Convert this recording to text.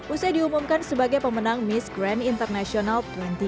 usai diumumkan sebagai pemenang miss grand international dua ribu dua puluh